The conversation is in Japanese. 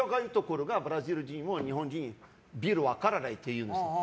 ブラジル人は日本人ビール分からないと言うんです。